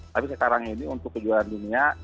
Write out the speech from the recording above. tapi sekarang ini untuk kejuaraan dunia